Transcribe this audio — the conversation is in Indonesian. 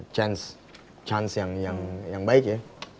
chance chance yang baik ya